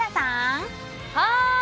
はい！